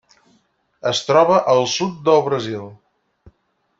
Es troba al sud del Brasil.